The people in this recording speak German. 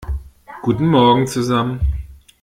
Guten Morgen zusammen!